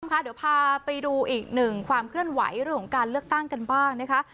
ค่ะเดี๋ยวพาไปดูอีกหนึ่งความเคลื่อนไหวเรื่องของการเลือกตั้งกันบ้างนะคะ